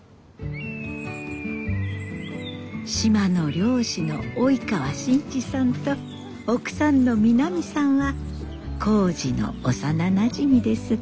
島の漁師の及川新次さんと奥さんの美波さんは耕治の幼なじみです。